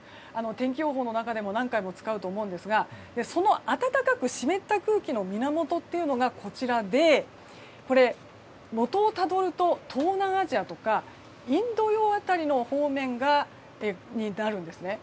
天気予報の中でも何回も使うと思うんですがその暖かく湿った空気の源というのがこちらで、元をたどると東南アジアとかインド洋辺りの方面になるんですね。